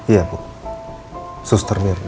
iya bu suster mirna